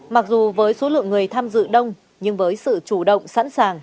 mặc dù với số lượng người tham dự đông nhưng với sự chủ động sẵn sàng